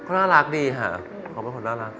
เขาน่ารักดีค่ะเขาเป็นคนน่ารัก